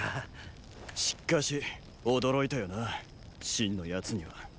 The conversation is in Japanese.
しっかし驚いたよな信の奴には。